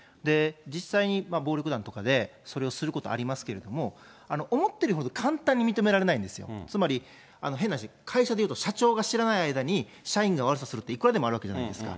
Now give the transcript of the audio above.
実際に暴力団とかで、それをすることありますけれども、思ってるほど簡単に認められないんですよ、つまり、変な話、会社でいうと、社長が知らない間に、社員が悪さするって、あるわけじゃないですか。